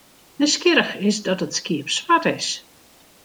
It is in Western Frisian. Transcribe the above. Nijsgjirrich is dat it skiep swart is.